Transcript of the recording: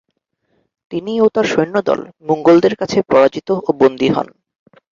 তিনি ও তার সৈন্যদল মুঙ্গোলদের কাছে পরাজিত ও বন্দী হন।